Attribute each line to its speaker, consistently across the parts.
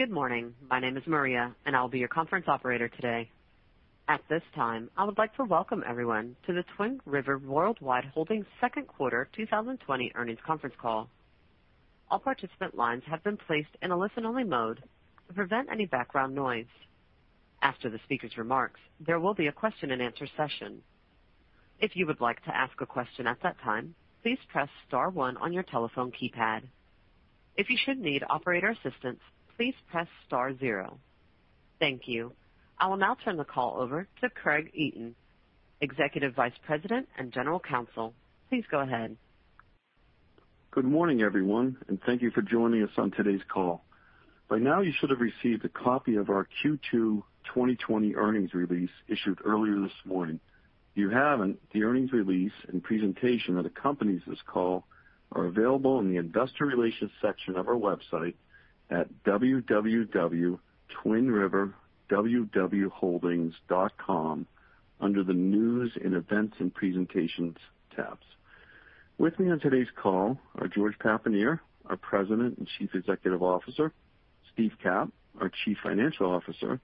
Speaker 1: Good morning. My name is Maria, and I will be your conference operator today. At this time, I would like to welcome everyone to the Twin River Worldwide Holdings second quarter 2020 earnings conference call. All participant lines have been placed in a listen-only mode to prevent any background noise. After the speaker's remarks, there will be a question and answer session. If you would like to ask a question at that time, please press star one on your telephone keypad. If you should need operator assistance, please press star zero. Thank you. I will now turn the call over to Craig Eaton, Executive Vice President and General Counsel. Please go ahead.
Speaker 2: Good morning, everyone, and thank you for joining us on today's call. By now you should have received a copy of our Q2 2020 earnings release issued earlier this morning. If you haven't, the earnings release and presentation that accompanies this call are available in the investor relations section of our website at www.twinriverwwholdings.com under the News and Events and Presentations tabs. With me on today's call are George Papanier, our President and Chief Executive Officer; Steve Capp, our Chief Financial Officer;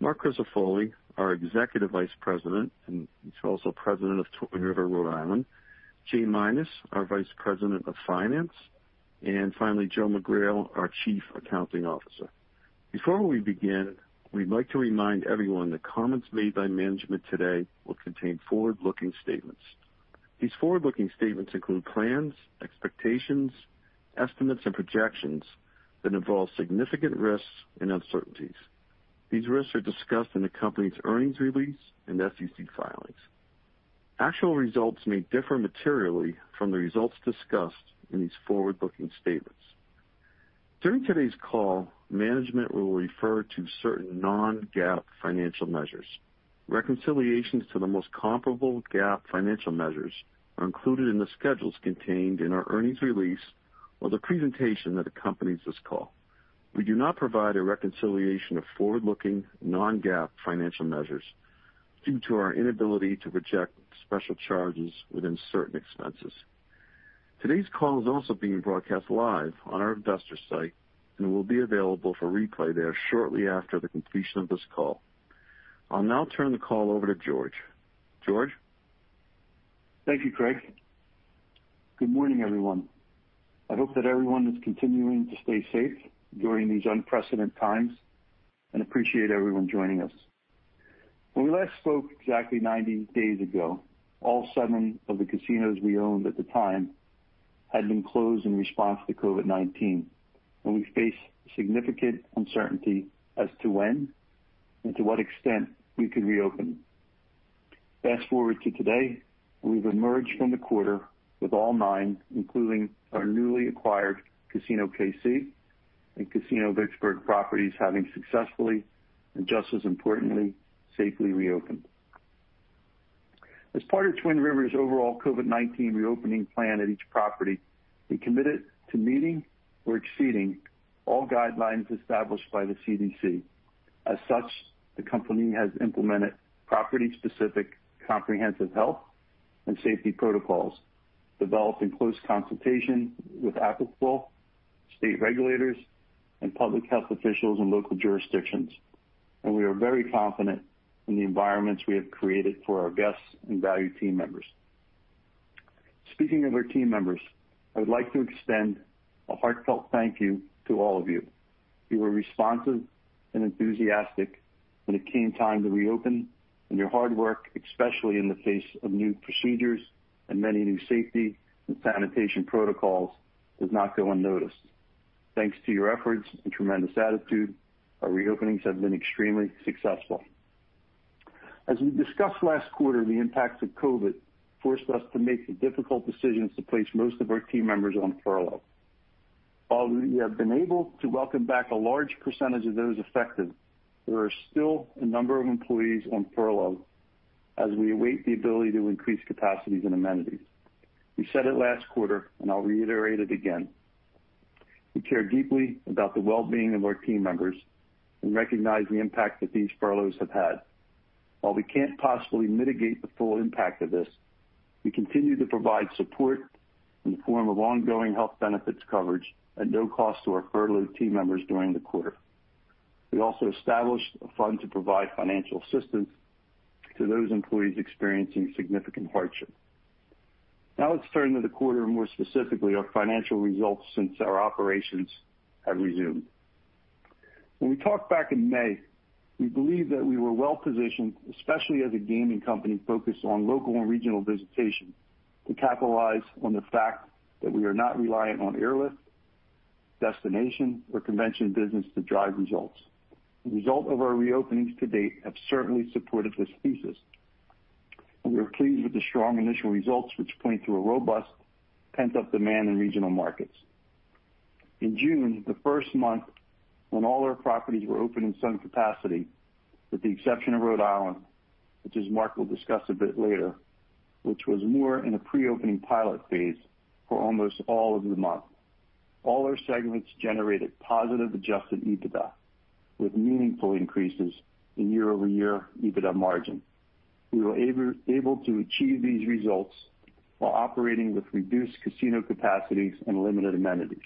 Speaker 2: Marc Crisafulli, our Executive Vice President, and he's also President of Twin River Rhode Island; Jay Minas, our Vice President of Finance, and finally, Joe McGrail, our Chief Accounting Officer. Before we begin, we'd like to remind everyone that comments made by management today will contain forward-looking statements. These forward-looking statements include plans, expectations, estimates, and projections that involve significant risks and uncertainties. These risks are discussed in the company's earnings release and SEC filings. Actual results may differ materially from the results discussed in these forward-looking statements. During today's call, management will refer to certain non-GAAP financial measures. Reconciliations to the most comparable GAAP financial measures are included in the schedules contained in our earnings release or the presentation that accompanies this call. We do not provide a reconciliation of forward-looking non-GAAP financial measures due to our inability to project special charges within certain expenses. Today's call is also being broadcast live on our investor site and will be available for replay there shortly after the completion of this call. I'll now turn the call over to George. George?
Speaker 3: Thank you, Craig. Good morning, everyone. I hope that everyone is continuing to stay safe during these unprecedented times and appreciate everyone joining us. When we last spoke exactly 90 days ago, all seven of the casinos we owned at the time had been closed in response to COVID-19, and we faced significant uncertainty as to when and to what extent we could reopen. Fast-forward to today, we've emerged from the quarter with all nine, including our newly acquired Casino KC and Casino Vicksburg properties, having successfully, and just as importantly, safely reopened. As part of Twin River's overall COVID-19 reopening plan at each property, we committed to meeting or exceeding all guidelines established by the CDC. As such, the company has implemented property-specific comprehensive health and safety protocols, developed in close consultation with applicable state regulators and public health officials in local jurisdictions. We are very confident in the environments we have created for our guests and valued team members. Speaking of our team members, I would like to extend a heartfelt thank you to all of you. You were responsive and enthusiastic when it came time to reopen, and your hard work, especially in the face of new procedures and many new safety and sanitation protocols, does not go unnoticed. Thanks to your efforts and tremendous attitude, our reopenings have been extremely successful. As we discussed last quarter, the impacts of COVID forced us to make the difficult decisions to place most of our team members on furlough. While we have been able to welcome back a large percentage of those affected, there are still a number of employees on furlough as we await the ability to increase capacities and amenities. We said it last quarter, and I'll reiterate it again, we care deeply about the well-being of our team members and recognize the impact that these furloughs have had. While we can't possibly mitigate the full impact of this, we continue to provide support in the form of ongoing health benefits coverage at no cost to our furloughed team members during the quarter. We also established a fund to provide financial assistance to those employees experiencing significant hardship. Now let's turn to the quarter, and more specifically, our financial results since our operations have resumed. When we talked back in May, we believed that we were well-positioned, especially as a gaming company focused on local and regional visitation, to capitalize on the fact that we are not reliant on airlift, destination, or convention business to drive results. The result of our reopenings to date have certainly supported this thesis, and we are pleased with the strong initial results, which point to a robust pent-up demand in regional markets. In June, the first month when all our properties were open in some capacity, with the exception of Rhode Island, which as Marc will discuss a bit later, which was more in a pre-opening pilot phase for almost all of the month, all our segments generated positive adjusted EBITDA with meaningful increases in year-over-year EBITDA margin. We were able to achieve these results while operating with reduced casino capacities and limited amenities.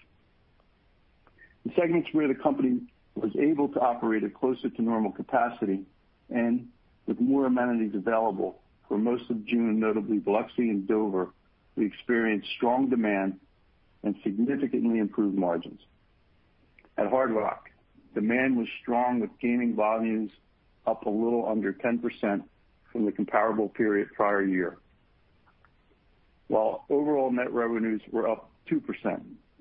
Speaker 3: The segments where the company was able to operate at closer to normal capacity and with more amenities available for most of June, notably Biloxi and Dover, we experienced strong demand and significantly improved margins. At Hard Rock, demand was strong with gaming volumes up a little under 10% from the comparable period prior year. Overall net revenues were up 2%,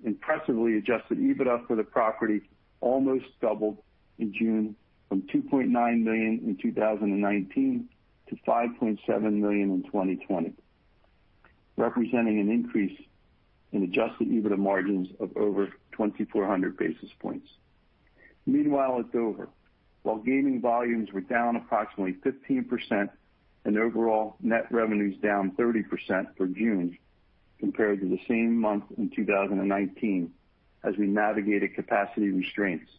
Speaker 3: impressively, adjusted EBITDA for the property almost doubled in June from $2.9 million in 2019 to $5.7 million in 2020, representing an increase in adjusted EBITDA margins of over 2,400 basis points. At Dover, while gaming volumes were down approximately 15% and overall net revenues down 30% for June compared to the same month in 2019, as we navigated capacity restraints,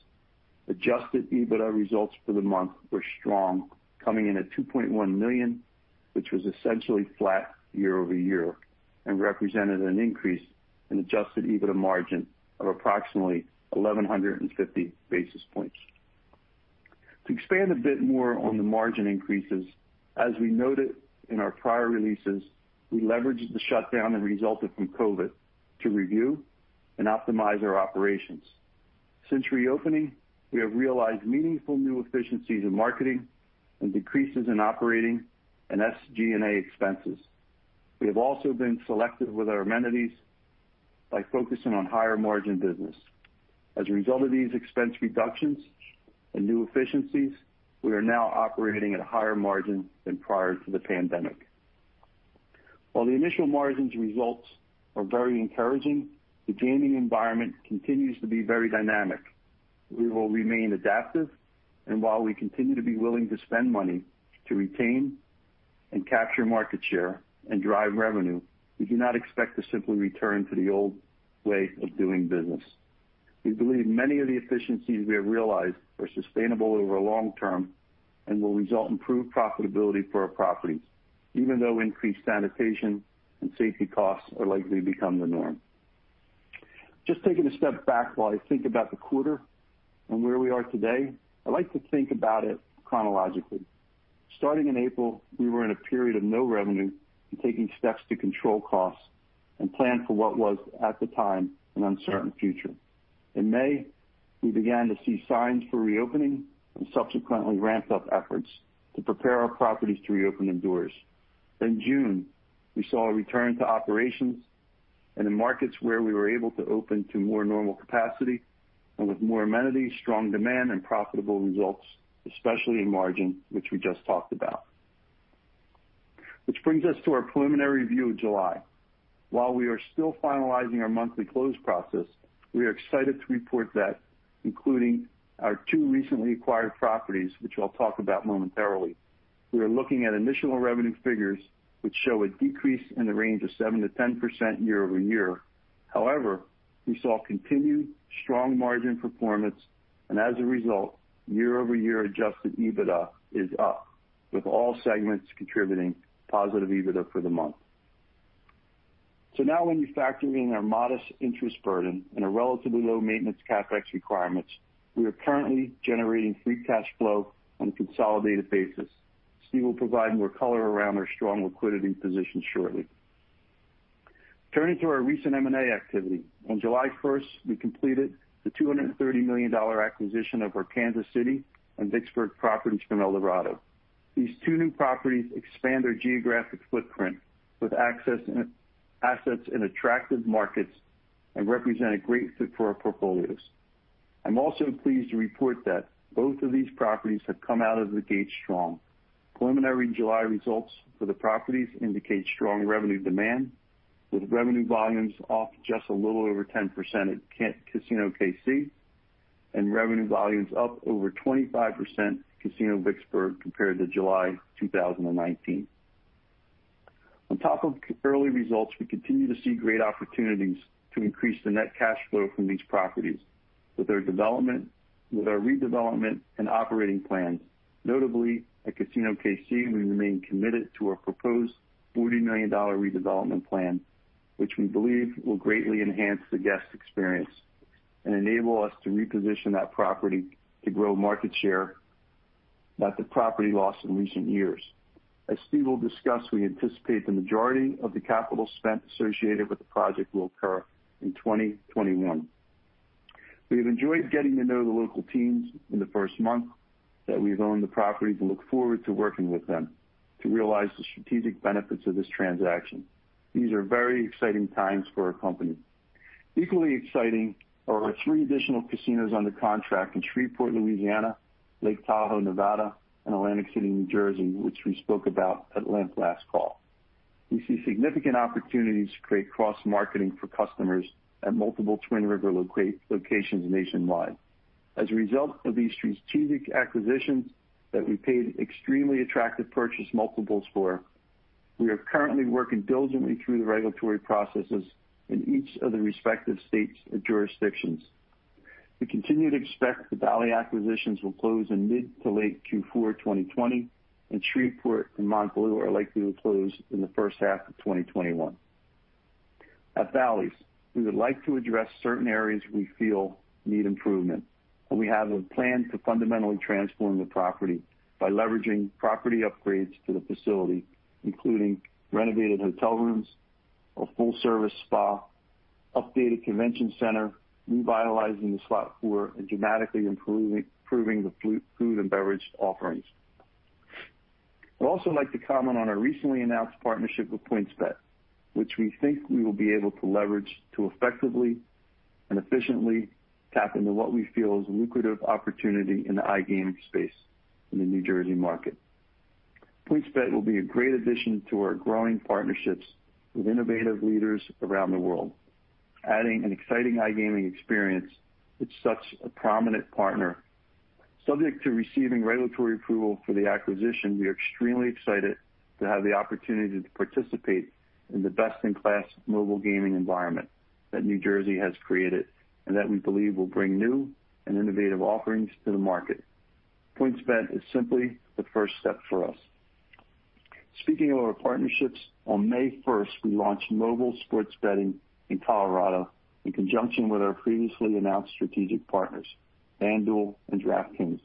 Speaker 3: adjusted EBITDA results for the month were strong, coming in at $2.1 million, which was essentially flat year-over-year and represented an increase in adjusted EBITDA margin of approximately 1,150 basis points. To expand a bit more on the margin increases, as we noted in our prior releases, we leveraged the shutdown that resulted from COVID to review and optimize our operations. Since reopening, we have realized meaningful new efficiencies in marketing and decreases in operating and SG&A expenses. We have also been selective with our amenities by focusing on higher margin business. As a result of these expense reductions and new efficiencies, we are now operating at a higher margin than prior to the pandemic. While the initial margins results are very encouraging, the gaming environment continues to be very dynamic. We will remain adaptive, and while we continue to be willing to spend money to retain and capture market share and drive revenue, we do not expect to simply return to the old way of doing business. We believe many of the efficiencies we have realized are sustainable over long term and will result in improved profitability for our properties, even though increased sanitation and safety costs are likely to become the norm. Just taking a step back while I think about the quarter and where we are today, I like to think about it chronologically. Starting in April, we were in a period of no revenue and taking steps to control costs and plan for what was, at the time, an uncertain future. In May, we began to see signs for reopening and subsequently ramped up efforts to prepare our properties to reopen their doors. In June, we saw a return to operations in the markets where we were able to open to more normal capacity and with more amenities, strong demand, and profitable results, especially in margin, which we just talked about. Which brings us to our preliminary view of July. While we are still finalizing our monthly close process, we are excited to report that including our two recently acquired properties, which I'll talk about momentarily, we are looking at initial revenue figures which show a decrease in the range of 7%-10% year-over-year. However, we saw continued strong margin performance and as a result, year-over-year adjusted EBITDA is up, with all segments contributing positive EBITDA for the month. Now when you factor in our modest interest burden and our relatively low maintenance CapEx requirements, we are currently generating free cash flow on a consolidated basis. Steve will provide more color around our strong liquidity position shortly. Turning to our recent M&A activity. On July 1st, we completed the $230 million acquisition of our Kansas City and Vicksburg properties from Eldorado. These two new properties expand our geographic footprint with assets in attractive markets and represent a great fit for our portfolios. I'm also pleased to report that both of these properties have come out of the gate strong. Preliminary July results for the properties indicate strong revenue demand, with revenue volumes off just a little over 10% at Casino KC, and revenue volumes up over 25% at Casino Vicksburg compared to July 2019. On top of early results, we continue to see great opportunities to increase the net cash flow from these properties with our redevelopment and operating plans. Notably, at Casino KC, we remain committed to our proposed $40 million redevelopment plan, which we believe will greatly enhance the guest experience and enable us to reposition that property to grow market share that the property lost in recent years. As Steve will discuss, we anticipate the majority of the capital spent associated with the project will occur in 2021. We have enjoyed getting to know the local teams in the first month that we've owned the property and look forward to working with them to realize the strategic benefits of this transaction. These are very exciting times for our company. Equally exciting are our three additional casinos under contract in Shreveport, Louisiana, Lake Tahoe, Nevada, and Atlantic City, New Jersey, which we spoke about at length last call. We see significant opportunities to create cross-marketing for customers at multiple Bally's locations nationwide. As a result of these strategic acquisitions that we paid extremely attractive purchase multiples for. We are currently working diligently through the regulatory processes in each of the respective states and jurisdictions. We continue to expect the Bally's acquisitions will close in mid to late Q4 2020, and Shreveport and MontBleu are likely to close in the first half of 2021. At Bally's, we would like to address certain areas we feel need improvement, and we have a plan to fundamentally transform the property by leveraging property upgrades to the facility, including renovated hotel rooms, a full-service spa, updated convention center, revitalizing the slot floor, and dramatically improving the food and beverage offerings. I'd also like to comment on our recently announced partnership with PointsBet, which we think we will be able to leverage to effectively and efficiently tap into what we feel is a lucrative opportunity in the iGaming space in the New Jersey market. PointsBet will be a great addition to our growing partnerships with innovative leaders around the world, adding an exciting iGaming experience with such a prominent partner. Subject to receiving regulatory approval for the acquisition, we are extremely excited to have the opportunity to participate in the best-in-class mobile gaming environment that New Jersey has created, and that we believe will bring new and innovative offerings to the market. PointsBet is simply the first step for us. Speaking of our partnerships, on May 1st, we launched mobile sports betting in Colorado in conjunction with our previously announced strategic partners, FanDuel and DraftKings.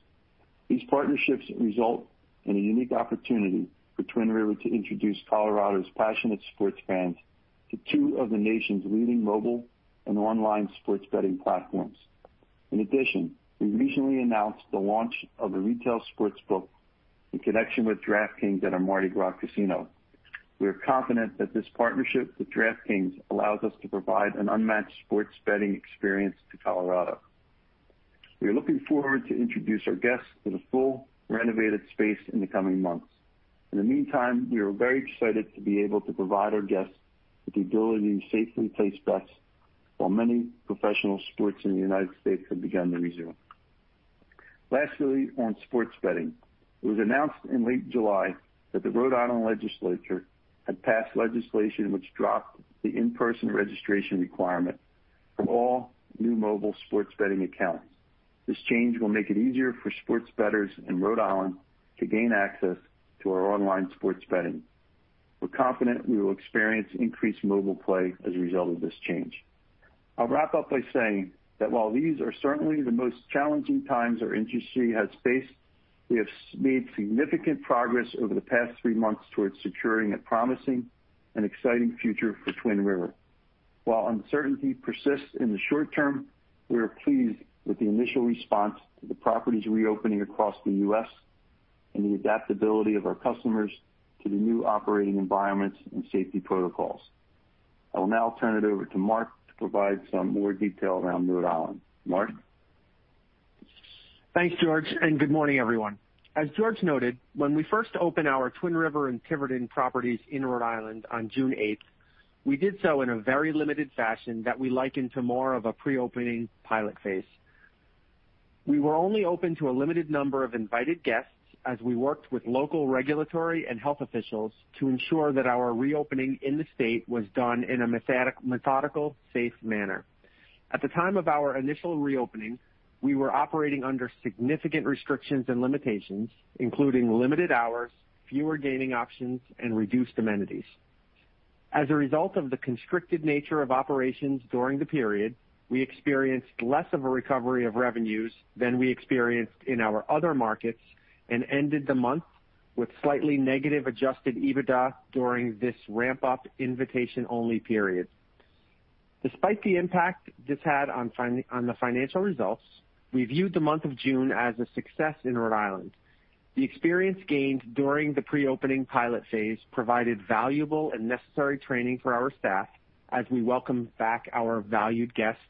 Speaker 3: These partnerships result in a unique opportunity for Twin River to introduce Colorado's passionate sports fans to two of the nation's leading mobile and online sports betting platforms. In addition, we recently announced the launch of a retail sportsbook in connection with DraftKings at our Mardi Gras Casino. We are confident that this partnership with DraftKings allows us to provide an unmatched sports betting experience to Colorado. We are looking forward to introduce our guests to the full renovated space in the coming months. In the meantime, we are very excited to be able to provide our guests with the ability to safely place bets while many professional sports in the United States have begun to resume. Lastly, on sports betting, it was announced in late July that the Rhode Island legislature had passed legislation which dropped the in-person registration requirement for all new mobile sports betting accounts. This change will make it easier for sports bettors in Rhode Island to gain access to our online sports betting. We're confident we will experience increased mobile play as a result of this change. I'll wrap up by saying that while these are certainly the most challenging times our industry has faced, we have made significant progress over the past three months towards securing a promising and exciting future for Twin River. While uncertainty persists in the short term, we are pleased with the initial response to the properties reopening across the U.S. and the adaptability of our customers to the new operating environments and safety protocols. I will now turn it over to Marc to provide some more detail around Rhode Island. Marc?
Speaker 4: Thanks, George. Good morning, everyone. As George noted, when we first opened our Twin River and Tiverton properties in Rhode Island on June 8th, we did so in a very limited fashion that we liken to more of a pre-opening pilot phase. We were only open to a limited number of invited guests as we worked with local regulatory and health officials to ensure that our reopening in the state was done in a methodical, safe manner. At the time of our initial reopening, we were operating under significant restrictions and limitations, including limited hours, fewer gaming options, and reduced amenities. As a result of the constricted nature of operations during the period, we experienced less of a recovery of revenues than we experienced in our other markets and ended the month with slightly negative adjusted EBITDA during this ramp-up invitation-only period. Despite the impact this had on the financial results, we viewed the month of June as a success in Rhode Island. The experience gained during the pre-opening pilot phase provided valuable and necessary training for our staff as we welcomed back our valued guests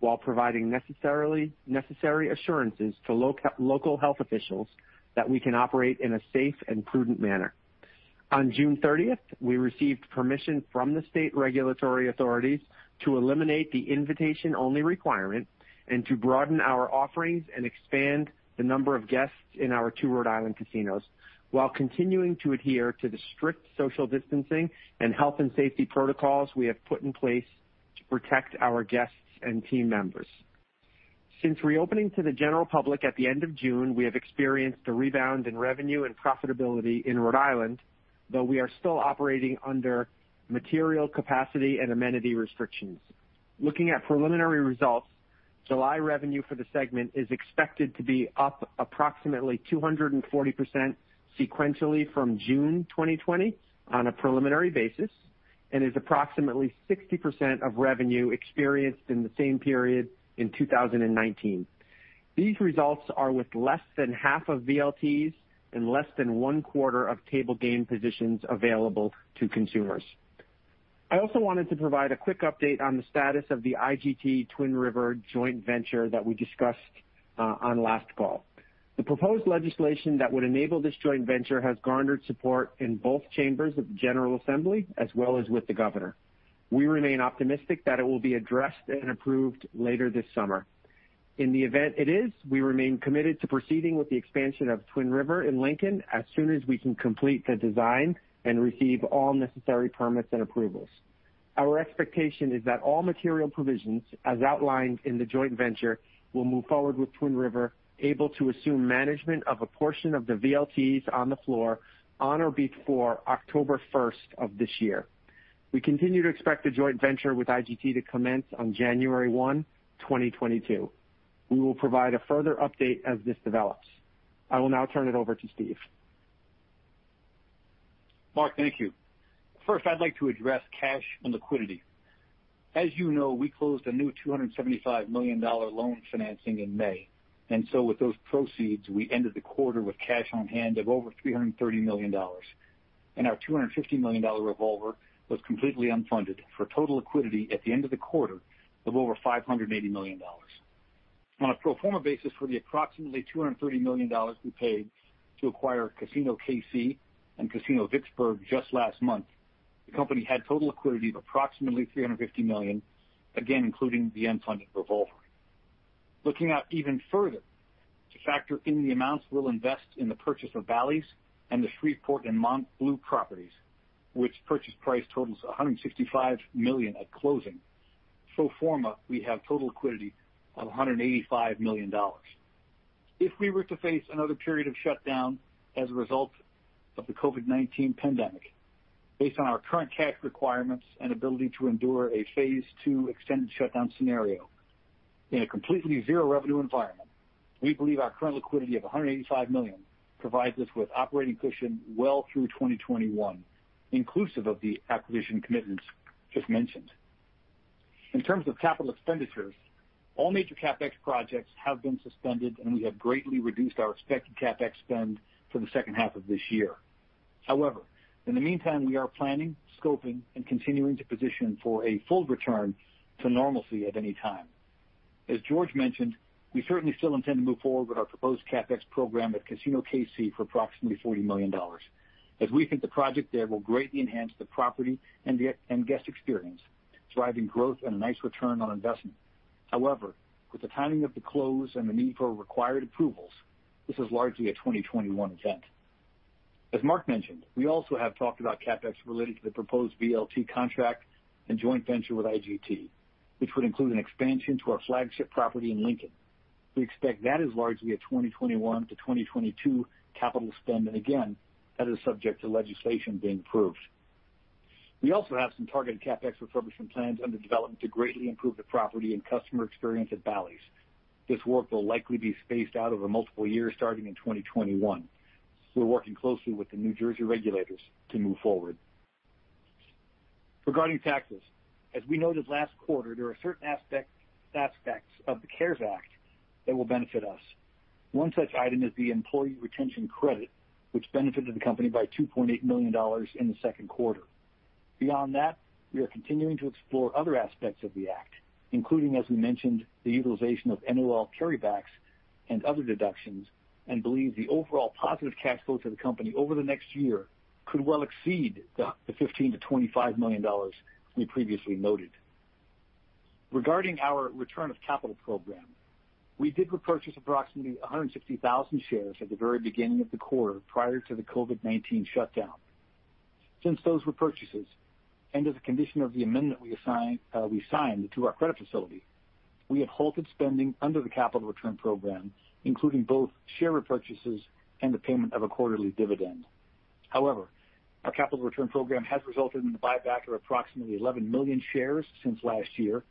Speaker 4: while providing necessary assurances to local health officials that we can operate in a safe and prudent manner. On June 30th, we received permission from the state regulatory authorities to eliminate the invitation-only requirement and to broaden our offerings and expand the number of guests in our two Rhode Island casinos while continuing to adhere to the strict social distancing and health and safety protocols we have put in place to protect our guests and team members. Since reopening to the general public at the end of June, we have experienced a rebound in revenue and profitability in Rhode Island, though we are still operating under material capacity and amenity restrictions. Looking at preliminary results, July revenue for the segment is expected to be up approximately 240% sequentially from June 2020 on a preliminary basis and is approximately 60% of revenue experienced in the same period in 2019. These results are with less than half of VLTs and less than one-quarter of table game positions available to consumers. I also wanted to provide a quick update on the status of the IGT Twin River joint venture that we discussed on last call. The proposed legislation that would enable this joint venture has garnered support in both chambers of the General Assembly as well as with the governor. We remain optimistic that it will be addressed and approved later this summer. In the event it is, we remain committed to proceeding with the expansion of Twin River in Lincoln as soon as we can complete the design and receive all necessary permits and approvals. Our expectation is that all material provisions, as outlined in the joint venture, will move forward with Twin River able to assume management of a portion of the VLTs on the floor on or before October 1st of this year. We continue to expect the joint venture with IGT to commence on January 1, 2022. We will provide a further update as this develops. I will now turn it over to Steve.
Speaker 5: Marc, thank you. First, I'd like to address cash and liquidity. As you know, we closed a new $275 million loan financing in May, and so with those proceeds, we ended the quarter with cash on hand of over $330 million. Our $250 million revolver was completely unfunded for total liquidity at the end of the quarter of over $580 million. On a pro forma basis for the approximately $230 million we paid to acquire Casino KC and Casino Vicksburg just last month, the company had total liquidity of approximately $350 million, again, including the unfunded revolver. Looking out even further, to factor in the amounts we'll invest in the purchase of Bally's and the Shreveport and MontBleu properties, which purchase price totals $165 million at closing, pro forma, we have total liquidity of $185 million. If we were to face another period of shutdown as a result of the COVID-19 pandemic, based on our current cash requirements and ability to endure a phase 2 extended shutdown scenario, in a completely zero-revenue environment, we believe our current liquidity of $185 million provides us with operating cushion well through 2021, inclusive of the acquisition commitments just mentioned. In terms of capital expenditures, all major CapEx projects have been suspended, and we have greatly reduced our expected CapEx spend for the second half of this year. In the meantime, we are planning, scoping, and continuing to position for a full return to normalcy at any time. As George mentioned, we certainly still intend to move forward with our proposed CapEx program at Casino KC for approximately $40 million, as we think the project there will greatly enhance the property and guest experience, driving growth and a nice return on investment. However, with the timing of the close and the need for required approvals, this is largely a 2021 event. As Marc mentioned, we also have talked about CapEx related to the proposed VLT contract and joint venture with IGT, which would include an expansion to our flagship property in Lincoln. We expect that is largely a 2021-2022 capital spend, and again, that is subject to legislation being approved. We also have some targeted CapEx refurbishment plans under development to greatly improve the property and customer experience at Bally's. This work will likely be spaced out over multiple years, starting in 2021. We're working closely with the New Jersey regulators to move forward. Regarding taxes, as we noted last quarter, there are certain aspects of the CARES Act that will benefit us. One such item is the employee retention credit, which benefited the company by $2.8 million in the second quarter. Beyond that, we are continuing to explore other aspects of the act, including, as we mentioned, the utilization of NOL carrybacks and other deductions and believe the overall positive cash flow to the company over the next year could well exceed the $15 million-$25 million we previously noted. Regarding our return of capital program, we did repurchase approximately 160,000 shares at the very beginning of the quarter, prior to the COVID-19 shutdown. Since those repurchases, and as a condition of the amendment we signed to our credit facility, we have halted spending under the capital return program, including both share repurchases and the payment of a quarterly dividend. However, our capital return program has resulted in the buyback of approximately 11 million shares since last year,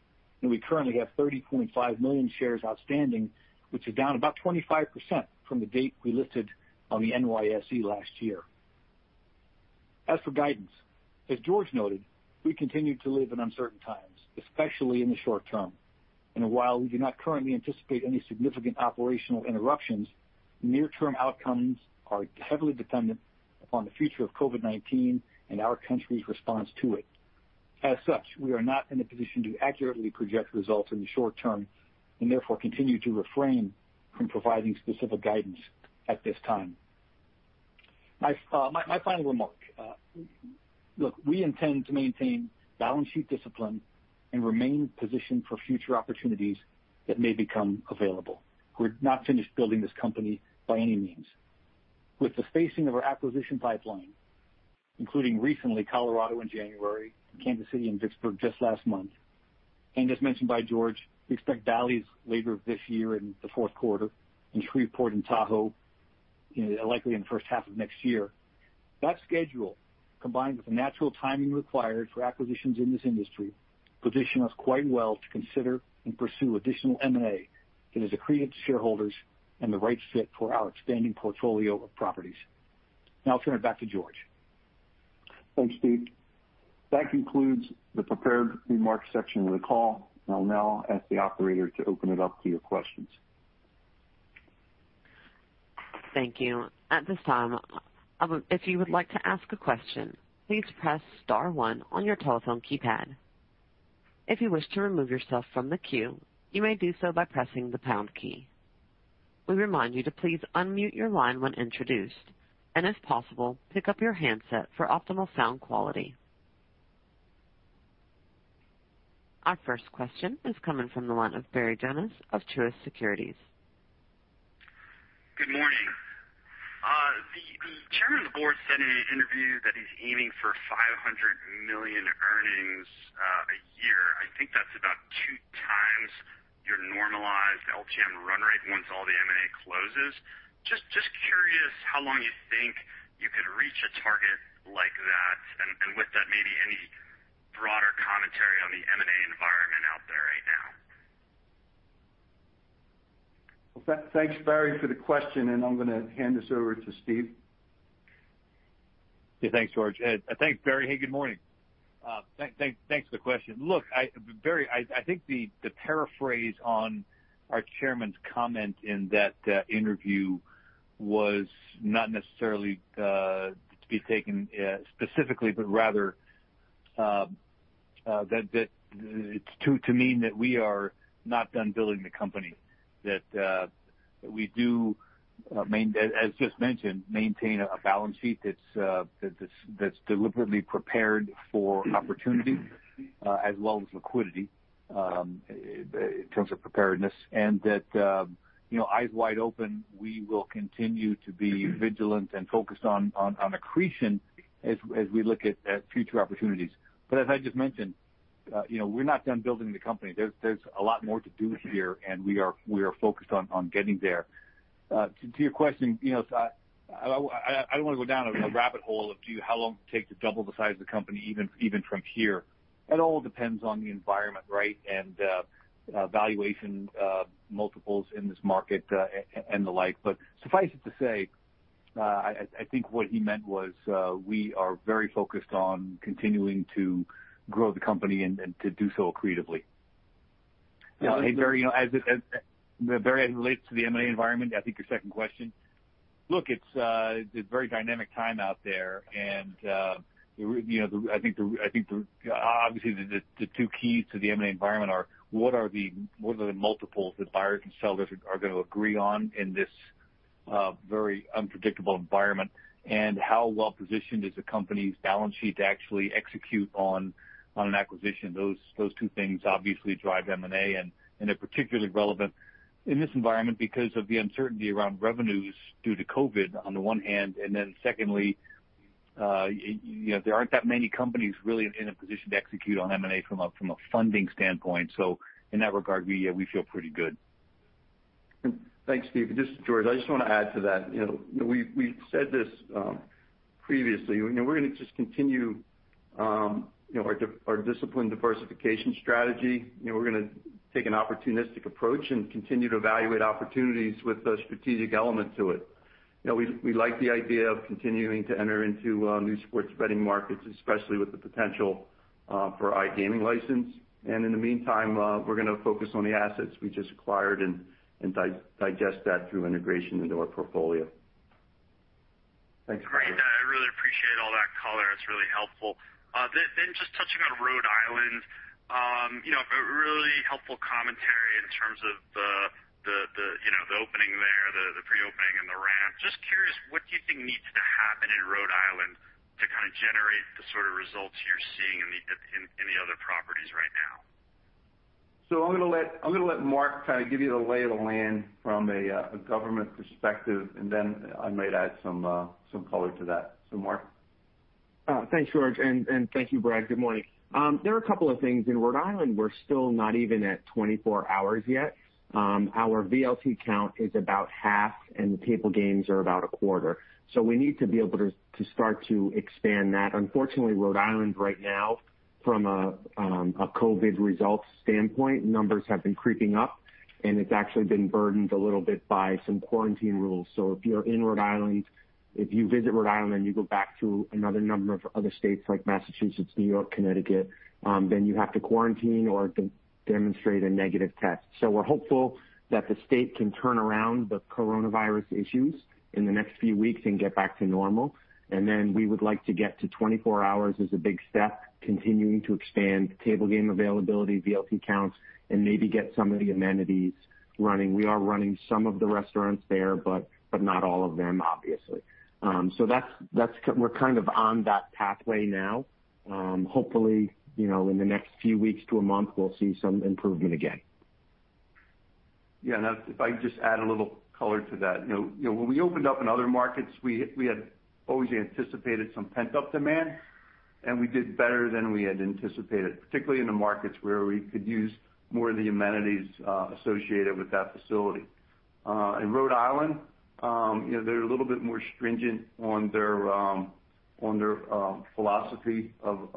Speaker 5: and we currently have 30.5 million shares outstanding, which is down about 25% from the date we listed on the NYSE last year. As for guidance, as George noted, we continue to live in uncertain times, especially in the short term. While we do not currently anticipate any significant operational interruptions, near-term outcomes are heavily dependent upon the future of COVID-19 and our country's response to it. As such, we are not in a position to accurately project results in the short term and therefore continue to refrain from providing specific guidance at this time. My final remark. Look, we intend to maintain balance sheet discipline and remain positioned for future opportunities that may become available. We're not finished building this company by any means. With the spacing of our acquisition pipeline, including recently Colorado in January and Kansas City and Vicksburg just last month, and as mentioned by George, we expect Bally's later this year in the fourth quarter and Shreveport and Tahoe likely in the first half of next year. That schedule, combined with the natural timing required for acquisitions in this industry, position us quite well to consider and pursue additional M&A that is accretive to shareholders and the right fit for our expanding portfolio of properties. I'll turn it back to George.
Speaker 3: Thanks, Steve. That concludes the prepared remarks section of the call. I'll now ask the operator to open it up to your questions.
Speaker 1: Thank you. At this time, if you would like to ask a question, please press star 1 on your telephone keypad. If you wish to remove yourself from the queue, you may do so by pressing the # key. We remind you to please unmute your line when introduced, and if possible, pick up your handset for optimal sound quality. Our first question is coming from the line of Barry Jonas of Truist Securities.
Speaker 6: Good morning. The chairman of the board said in an interview that he's aiming for $500 million earnings a year. I think that's about two times your normalized LTM run rate once all the M&A closes. Just curious how long you think you could reach a target like that, and with that, maybe any broader commentary on the M&A environment out there right now.
Speaker 3: Thanks, Barry, for the question. I'm going to hand this over to Steve.
Speaker 5: Yeah. Thanks, George. Thanks, Barry. Hey, good morning. Thanks for the question. Look, Barry, I think the paraphrase on our chairman's comment in that interview was not necessarily to be taken specifically, but rather to mean that we are not done building the company. That we do, as just mentioned, maintain a balance sheet that's deliberately prepared for opportunity as well as liquidity in terms of preparedness. That eyes wide open, we will continue to be vigilant and focused on accretion as we look at future opportunities. As I just mentioned, we're not done building the company. There's a lot more to do here, and we are focused on getting there. To your question, I don't want to go down a rabbit hole of how long it takes to double the size of the company, even from here. It all depends on the environment, and valuation multiples in this market, and the like. Suffice it to say, I think what he meant was, we are very focused on continuing to grow the company and to do so accretively. Barry, as it relates to the M&A environment, I think your second question, look, it's a very dynamic time out there. I think obviously, the two keys to the M&A environment are what are the multiples that buyers and sellers are going to agree on in this very unpredictable environment? How well-positioned is the company's balance sheet to actually execute on an acquisition? Those two things obviously drive M&A and are particularly relevant in this environment because of the uncertainty around revenues due to COVID-19 on the one hand, and then secondly, there aren't that many companies really in a position to execute on M&A from a funding standpoint. In that regard, we feel pretty good.
Speaker 3: Thanks, Steve. This is George. I just want to add to that. We said this previously. We're going to just continue our disciplined diversification strategy. We're going to take an opportunistic approach and continue to evaluate opportunities with a strategic element to it. We like the idea of continuing to enter into new sports betting markets, especially with the potential for iGaming license. In the meantime, we're going to focus on the assets we just acquired and digest that through integration into our portfolio. Thanks, Barry.
Speaker 6: Great. I really appreciate all that color. It's really helpful. Just touching on Rhode Island, a really helpful commentary in terms of the opening there, the pre-opening, and the ramp. Just curious, what do you think needs to happen in Rhode Island to kind of generate the sort of results you're seeing in the other properties right now?
Speaker 3: I'm going to let Marc kind of give you the lay of the land from a government perspective, and then I might add some color to that. Marc?
Speaker 4: Thanks, George, and thank you, Brad. Good morning. There are a couple of things. In Rhode Island, we're still not even at 24 hours yet. Our VLT count is about half, and the table games are about a quarter. We need to be able to start to expand that. Unfortunately, Rhode Island right now, from a COVID results standpoint, numbers have been creeping up, and it's actually been burdened a little bit by some quarantine rules. If you're in Rhode Island, if you visit Rhode Island and you go back to another number of other states like Massachusetts, New York, Connecticut, then you have to quarantine or demonstrate a negative test. We're hopeful that the state can turn around the coronavirus issues in the next few weeks and get back to normal. We would like to get to 24 hours as a big step, continuing to expand table game availability, VLT counts, and maybe get some of the amenities running. We are running some of the restaurants there, but not all of them, obviously. We're kind of on that pathway now. Hopefully, in the next few weeks to a month, we'll see some improvement again.
Speaker 3: Yeah, if I can just add a little color to that. When we opened up in other markets, we had always anticipated some pent-up demand, and we did better than we had anticipated, particularly in the markets where we could use more of the amenities associated with that facility. In Rhode Island, they're a little bit more stringent on their philosophy of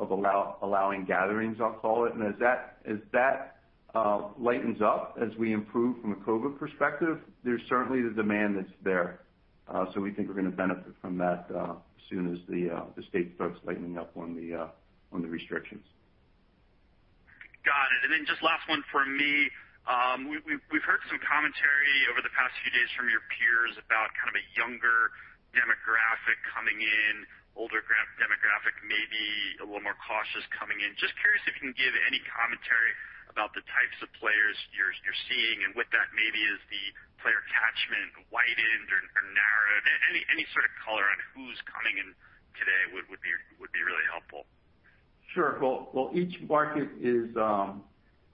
Speaker 3: allowing gatherings, I'll call it. As that lightens up as we improve from a COVID perspective, there's certainly the demand that's there. We think we're going to benefit from that as soon as the state starts lightening up on the restrictions.
Speaker 6: Got it. Just last one from me. We've heard some commentary over the past few days from your peers about kind of a younger demographic coming in, older demographic may be a little more cautious coming in. Just curious if you can give any commentary about the types of players you're seeing, and with that, maybe has the player catchment widened or narrowed? Any sort of color on who's coming in today?
Speaker 3: Sure. Well, each market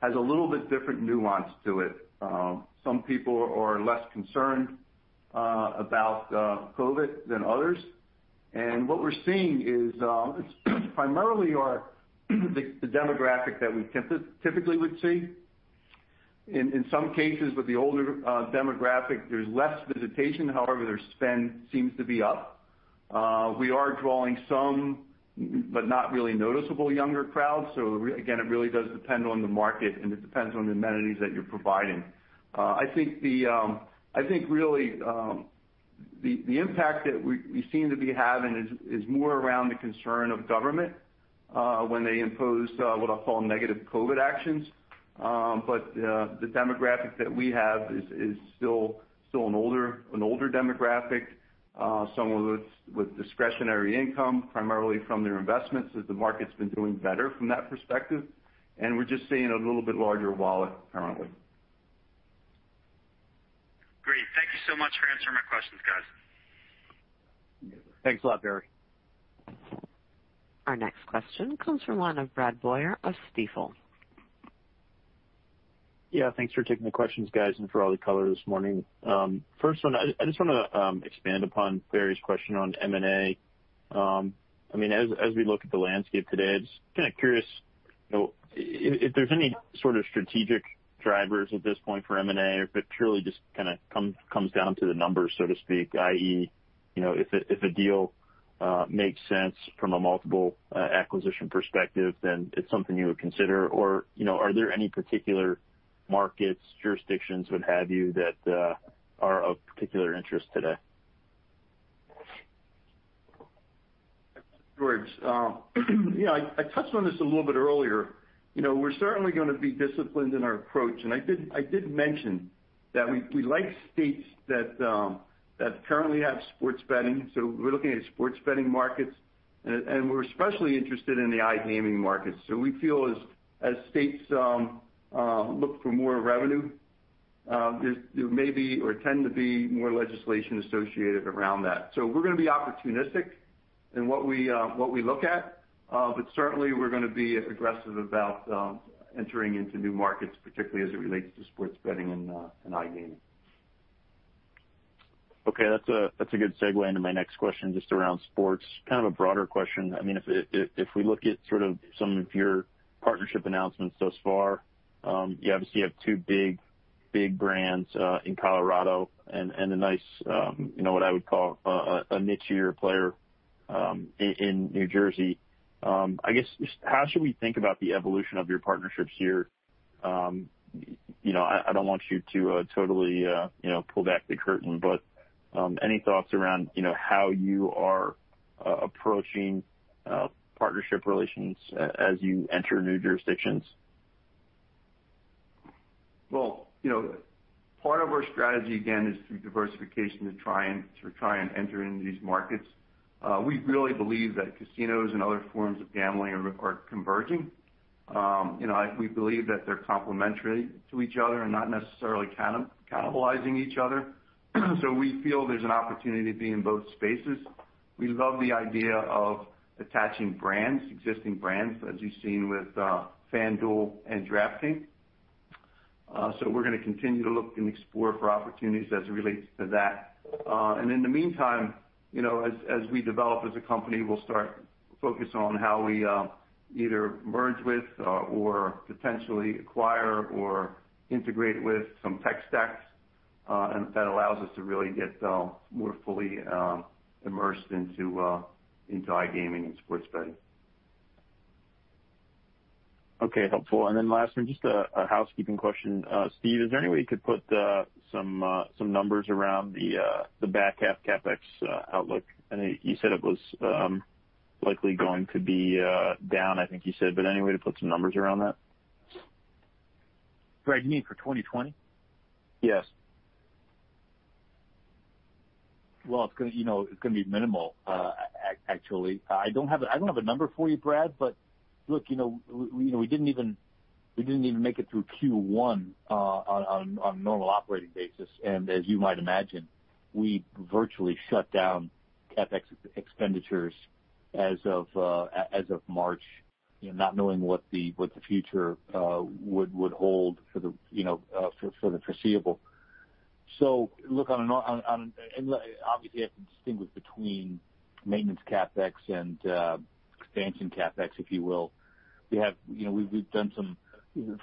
Speaker 3: has a little bit different nuance to it. Some people are less concerned about COVID than others. What we're seeing is, it's primarily the demographic that we typically would see. In some cases, with the older demographic, there's less visitation. However, their spend seems to be up. We are drawing some, but not really noticeable, younger crowds. Again, it really does depend on the market, and it depends on the amenities that you're providing. I think, really, the impact that we seem to be having is more around the concern of government when they impose what I'll call negative COVID actions. The demographic that we have is still an older demographic. Some of it with discretionary income, primarily from their investments, as the market's been doing better from that perspective. We're just seeing a little bit larger wallet currently.
Speaker 6: Great. Thank you so much for answering my questions, guys.
Speaker 3: Thanks a lot, Barry.
Speaker 1: Our next question comes from the line of Bradley Boyer of Stifel.
Speaker 7: Yeah, thanks for taking the questions, guys, and for all the color this morning. First one, I just want to expand upon Barry's question on M&A. As we look at the landscape today, I'm just kind of curious if there's any sort of strategic drivers at this point for M&A, or if it purely just comes down to the numbers, so to speak, i.e., if a deal makes sense from a multiple acquisition perspective, then it's something you would consider. Or are there any particular markets, jurisdictions, what have you, that are of particular interest today?
Speaker 3: George, I touched on this a little bit earlier. We're certainly going to be disciplined in our approach. I did mention that we like states that currently have sports betting. We're looking at sports betting markets, and we're especially interested in the iGaming markets. We feel as states look for more revenue, there may be, or tend to be, more legislation associated around that. We're going to be opportunistic in what we look at. Certainly, we're going to be aggressive about entering into new markets, particularly as it relates to sports betting and iGaming.
Speaker 7: Okay, that's a good segue into my next question, just around sports. Kind of a broader question. If we look at some of your partnership announcements thus far, you obviously have two big brands in Colorado and a nice, what I would call a nichier player in New Jersey. I guess, just how should we think about the evolution of your partnerships here? Any thoughts around how you are approaching partnership relations as you enter new jurisdictions?
Speaker 3: Well, part of our strategy, again, is through diversification to try and enter into these markets. We really believe that casinos and other forms of gambling are converging. We believe that they're complementary to each other and not necessarily cannibalizing each other. We feel there's an opportunity to be in both spaces. We love the idea of attaching brands, existing brands, as you've seen with FanDuel and DraftKings. We're going to continue to look and explore for opportunities as it relates to that. In the meantime, as we develop as a company, we'll start to focus on how we either merge with or potentially acquire or integrate with some tech stacks, and that allows us to really get more fully immersed into iGaming and sports betting.
Speaker 7: Okay, helpful. Last one, just a housekeeping question. Steve, is there any way you could put some numbers around the back half CapEx outlook? I know you said it was likely going to be down, I think you said, but any way to put some numbers around that?
Speaker 5: Brad, you mean for 2020?
Speaker 7: Yes.
Speaker 5: Well, it's going to be minimal, actually. I don't have a number for you, Brad, but look, we didn't even make it through Q1 on a normal operating basis. As you might imagine, we virtually shut down CapEx expenditures as of March, not knowing what the future would hold for the foreseeable. Look, obviously, I can distinguish between maintenance CapEx and expansion CapEx, if you will. For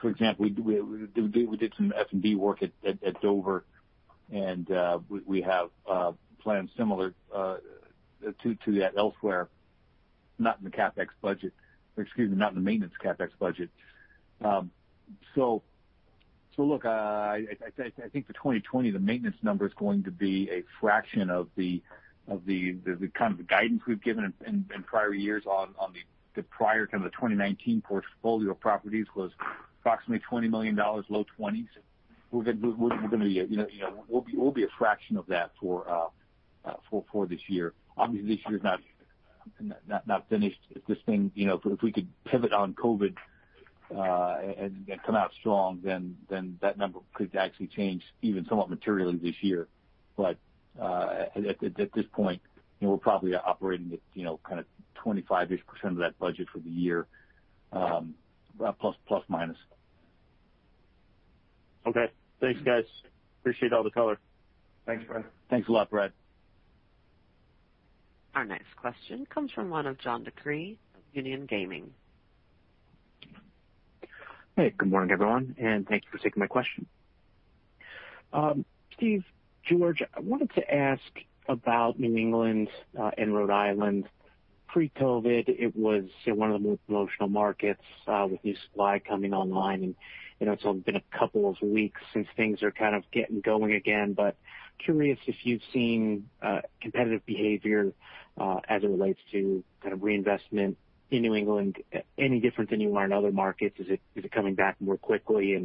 Speaker 5: example, we did some F&B work at Dover, and we have plans similar to that elsewhere, not in the maintenance CapEx budget. Look, I think for 2020, the maintenance number is going to be a fraction of the kind of guidance we've given in prior years on the prior kind of the 2019 portfolio of properties was approximately $20 million, low 20s. We'll be a fraction of that for this year. Obviously, this year's not finished. If we could pivot on COVID-19 and come out strong, then that number could actually change even somewhat materially this year. At this point, we're probably operating at kind of 25-ish% of that budget for the year, plus, minus.
Speaker 7: Okay. Thanks, guys. Appreciate all the color.
Speaker 5: Thanks, Brad.
Speaker 3: Thanks a lot, Brad.
Speaker 1: Our next question comes from the line of John DeCree of Union Gaming.
Speaker 8: Hey, good morning, everyone. Thank you for taking my question. Steve, George, I wanted to ask about New England and Rhode Island. Pre-COVID, it was one of the most promotional markets with new supply coming online, and it's only been a couple of weeks since things are kind of getting going again, but curious if you've seen competitive behavior as it relates to kind of reinvestment in New England any different than you are in other markets? Is it coming back more quickly?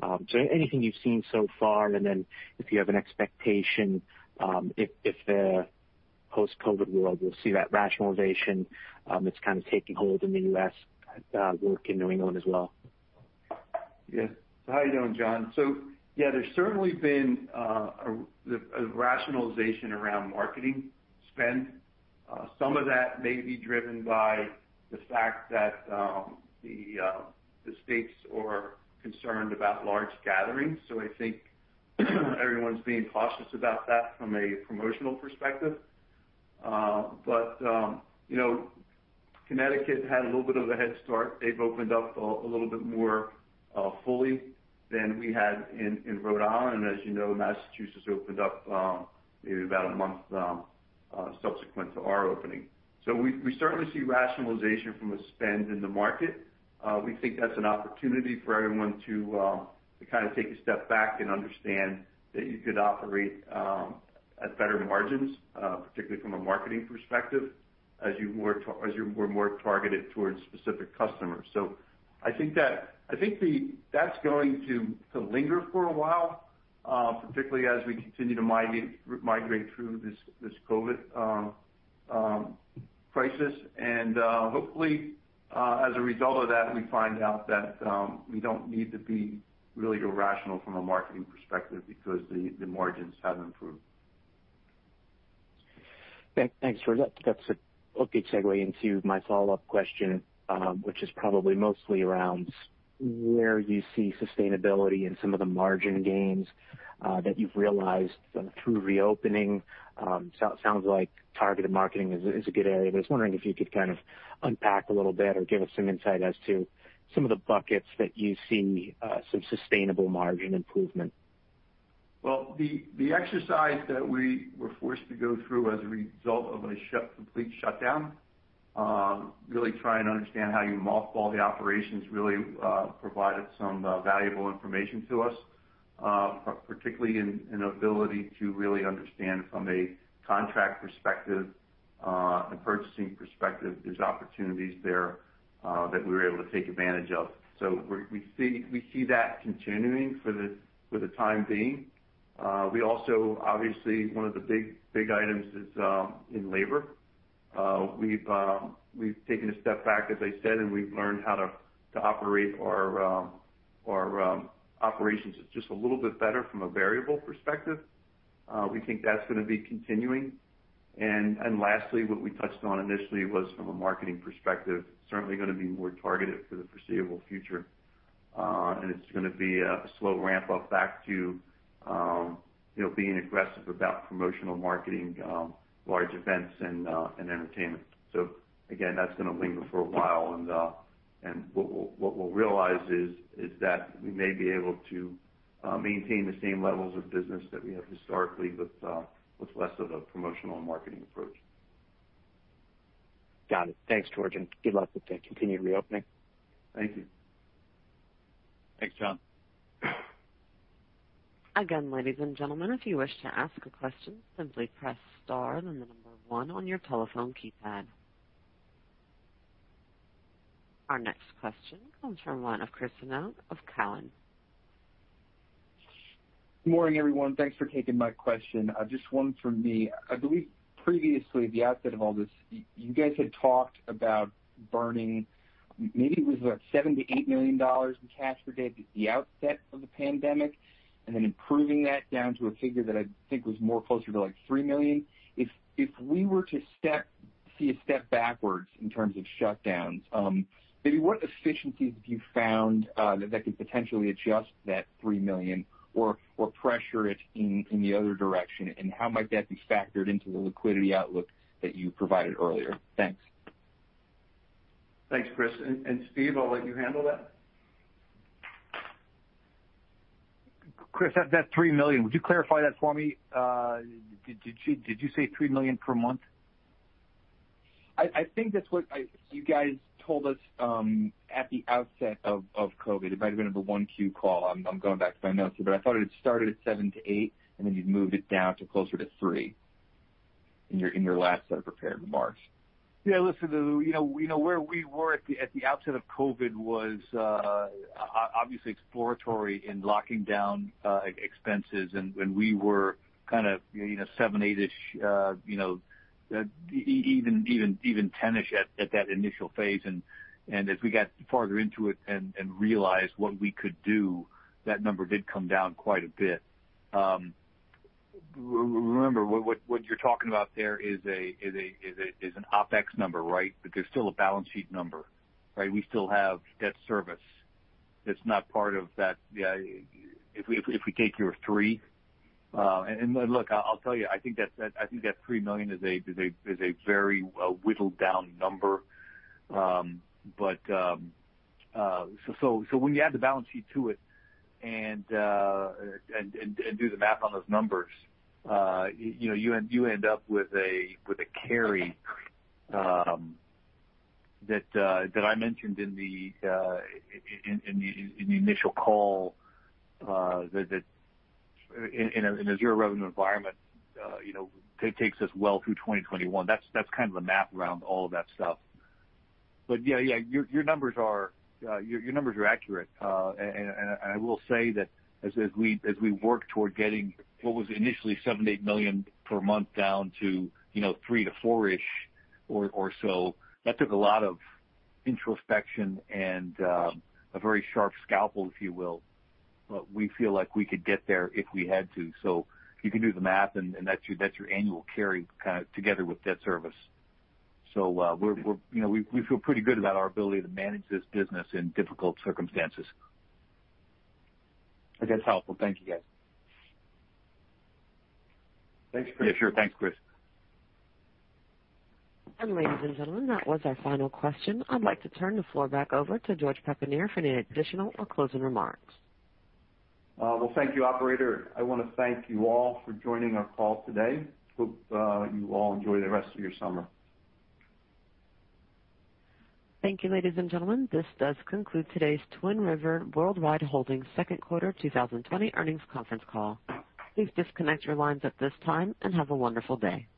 Speaker 8: Anything you've seen so far, and then if you have an expectation if the post-COVID world will see that rationalization that's kind of taking hold in the U.S. work in New England as well?
Speaker 3: Yes. How are you doing, John? Yeah, there's certainly been a rationalization around marketing spend. Some of that may be driven by the fact that the states are concerned about large gatherings. I think everyone's being cautious about that from a promotional perspective. Connecticut had a little bit of a head start. They've opened up a little bit more fully than we had in Rhode Island. As you know, Massachusetts opened up maybe about a month subsequent to our opening. We certainly see rationalization from a spend in the market. We think that's an opportunity for everyone to kind of take a step back and understand that you could operate at better margins, particularly from a marketing perspective as you're more targeted towards specific customers. I think that's going to linger for a while, particularly as we continue to migrate through this COVID crisis. Hopefully, as a result of that, we find out that we don't need to be really irrational from a marketing perspective because the margins have improved.
Speaker 8: Thanks, George. That's a good segue into my follow-up question, which is probably mostly around where you see sustainability in some of the margin gains that you've realized through reopening. Sounds like targeted marketing is a good area, but I was wondering if you could kind of unpack a little bit or give us some insight as to some of the buckets that you see some sustainable margin improvement.
Speaker 3: Well, the exercise that we were forced to go through as a result of a complete shutdown, really try and understand how you mothball the operations really provided some valuable information to us, particularly in ability to really understand from a contract perspective and purchasing perspective, there's opportunities there that we were able to take advantage of. We see that continuing for the time being. We also, obviously, one of the big items is in labor. We've taken a step back, as I said, and we've learned how to operate our operations just a little bit better from a variable perspective. We think that's going to be continuing. Lastly, what we touched on initially was from a marketing perspective, certainly going to be more targeted for the foreseeable future. It's going to be a slow ramp up back to being aggressive about promotional marketing, large events, and entertainment. Again, that's going to linger for a while, and what we'll realize is that we may be able to maintain the same levels of business that we have historically with less of a promotional and marketing approach.
Speaker 8: Got it. Thanks, George, and good luck with the continued reopening.
Speaker 3: Thank you.
Speaker 5: Thanks, John.
Speaker 1: Again, ladies and gentlemen, if you wish to ask a question, simply press star, then the number one on your telephone keypad. Our next question comes from line of Chris Sinacori of Cowen.
Speaker 9: Good morning, everyone. Thanks for taking my question. Just one from me. I believe previously, the outset of all this, you guys had talked about burning, maybe it was like $7 million-$8 million in cash per day at the outset of the pandemic, and then improving that down to a figure that I think was more closer to like $3 million. If we were to see a step backwards in terms of shutdowns, maybe what efficiencies have you found that could potentially adjust that $3 million or pressure it in the other direction? How might that be factored into the liquidity outlook that you provided earlier? Thanks.
Speaker 3: Thanks, Chris. Steve, I'll let you handle that.
Speaker 5: Chris, that $3 million, would you clarify that for me? Did you say $3 million per month?
Speaker 9: I think that's what you guys told us at the outset of COVID. It might've been at the 1Q call. I'm going back to my notes here, but I thought it had started at seven to eight, and then you'd moved it down to closer to three in your last set of prepared remarks.
Speaker 5: Yeah, listen. Where we were at the outset of COVID was obviously exploratory in locking down expenses, and we were kind of seven, eight-ish, even 10-ish at that initial phase. As we got farther into it and realized what we could do, that number did come down quite a bit. Remember, what you're talking about there is an OpEx number, right? There's still a balance sheet number, right? We still have debt service that's not part of that. If we take your three, and look, I'll tell you, I think that $3 million is a very whittled down number. When you add the balance sheet to it and do the math on those numbers, you end up with a carry that I mentioned in the initial call that in a zero-revenue environment takes us well through 2021. That's kind of the math around all of that stuff. Yeah. Your numbers are accurate. I will say that as we work toward getting what was initially $7, $8 million per month down to three to four-ish or so, that took a lot of introspection and a very sharp scalpel, if you will. We feel like we could get there if we had to. You can do the math, and that's your annual carry together with debt service. We feel pretty good about our ability to manage this business in difficult circumstances.
Speaker 9: I think that's helpful. Thank you, guys.
Speaker 3: Thanks, Chris.
Speaker 5: Yeah, sure. Thanks, Chris.
Speaker 1: Ladies and gentlemen, that was our final question. I'd like to turn the floor back over to George Papanier for any additional or closing remarks.
Speaker 3: Well, thank you, operator. I want to thank you all for joining our call today. Hope you all enjoy the rest of your summer.
Speaker 1: Thank you, ladies and gentlemen. This does conclude today's Twin River Worldwide Holdings second quarter 2020 earnings conference call. Please disconnect your lines at this time, and have a wonderful day.